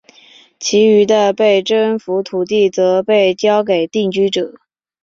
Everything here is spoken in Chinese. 其余的被征服土地则被交给定居者。